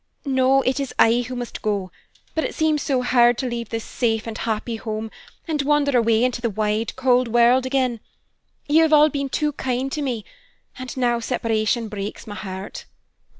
"No, it is I who must go; but it seems so hard to leave this safe and happy home, and wander away into the wide, cold world again. You have all been too kind to me, and now separation breaks my heart."